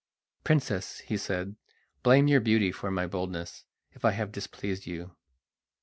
"Princess," he said, "blame your beauty for my boldness if I have displeased you."